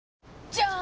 じゃーん！